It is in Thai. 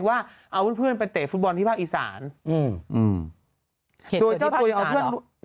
ว่าเอาเพื่อนไปเตะฟุตบอลที่ภากอีสานอืมอืมหนูอย่างเจ้าที่ฟักอีสานหรอ